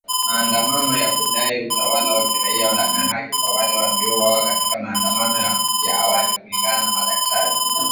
maandamano ya kudai utawala wa kiraia na haki kwa wale waliouawa katika maandamano ya awali kulingana na madaktari